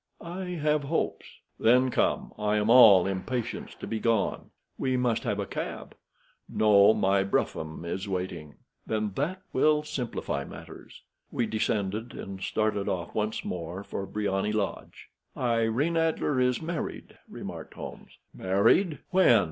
"I have hopes." "Then come. I am all impatience to be gone." "We must have a cab." "No, my brougham is waiting." "Then that will simplify matters." We descended, and started off once more for Briony Lodge. "Irene Adler is married," remarked Holmes. "Married! When?"